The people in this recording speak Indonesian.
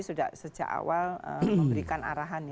sudah sejak awal memberikan arahan